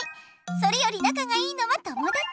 それよりなかがいいのは友だち。